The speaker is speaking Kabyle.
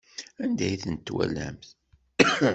Anda ay tent-twalamt?